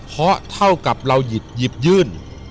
เพราะเท่ากับเราหยิบยื่น